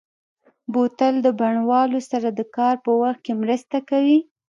بوتل د بڼوالو سره د کار په وخت کې مرسته کوي.